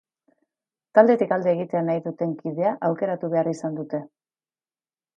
Taldetik alde egitea nahi duten kidea aukeratu behar izan dute.